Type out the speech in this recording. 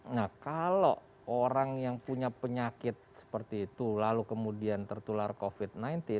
nah kalau orang yang punya penyakit seperti itu lalu kemudian tertular covid sembilan belas